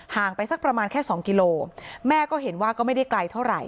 ห่างไปสักประมาณแค่๒กิโลกรัมแม่ก็เห็นว่าก็ไม่ได้ไกลเท่าไหร่